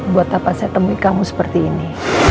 buat apa saya temui kamu seperti ini